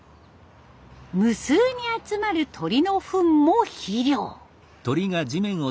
無数に集まる鳥のふんも肥料。